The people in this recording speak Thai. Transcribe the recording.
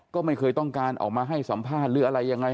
ก็ไม่เคยต้องการออกมาให้สัมภาษณ์หรืออะไรยังไง